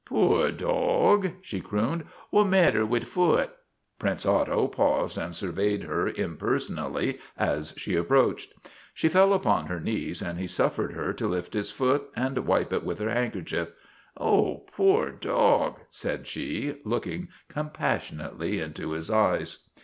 ' Poor dog," she crooned, " what matter wid foot ?" Prince Otto paused and surveyed her imperson ally as she approached. She fell upon her knees and he suffered her to lift his foot and wipe it with her handkerchief. ' Oh, poor dog !' said she, looking compassion ately into his eyes.